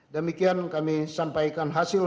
damikian kami sampaikan hasil